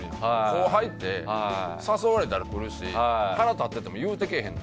後輩って誘われたら来るし腹立ってても言うてけえへん。